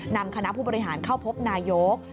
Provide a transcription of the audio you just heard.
นำคณะผู้บริหารเข้าพบนายก